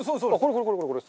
これこれこれこれ。